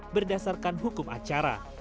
berdasarkan hukum acara